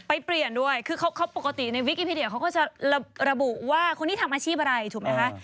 ไปเปลี่ยนด้วยคือเขาปกติในวิกอีพีเดียเขาก็จะระบุว่าคนที่ทำอาชีพอะไรถูกไหมคะ